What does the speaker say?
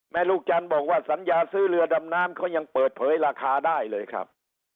ลูกจันทร์บอกว่าสัญญาซื้อเรือดำน้ำเขายังเปิดเผยราคาได้เลยครับ